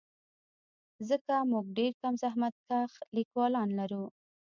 ځکه موږ ډېر کم زحمتکښ لیکوالان لرو.